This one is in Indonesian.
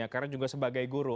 karena juga sebagai guru